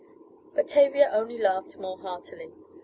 But Tavia only laughed more heartily.